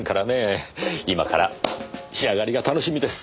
今から仕上がりが楽しみです。